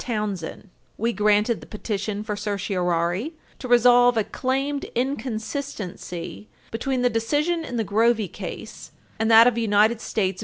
45. [Footnote 5] We granted the petition for certiorari to resolve a claimed inconsistency between the decision in the Grovey case and that of United States v.